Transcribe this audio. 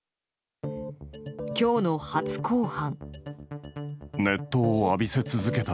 今日の初公判。